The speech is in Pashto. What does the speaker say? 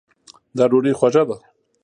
دا ډوډۍ خوږه ده